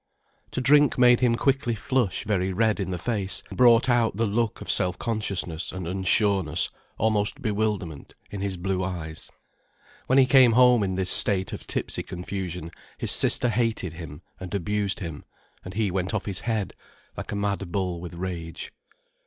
To drink made him quickly flush very red in the face, and brought out the look of self consciousness and unsureness, almost bewilderment, in his blue eyes. When he came home in this state of tipsy confusion his sister hated him and abused him, and he went off his head, like a mad bull with rage.